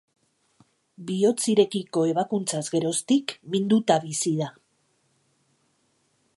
Bihotz irekiko ebakuntzaz geroztik minduta bizi da.